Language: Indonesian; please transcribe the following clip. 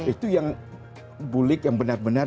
itu yang bulik yang benar benar